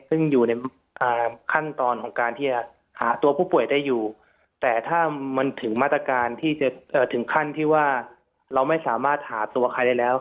ซึ่งอยู่ในขั้นตอนของการที่จะหาตัวผู้ป่วยได้อยู่แต่ถ้ามันถึงมาตรการที่จะถึงขั้นที่ว่าเราไม่สามารถหาตัวใครได้แล้ว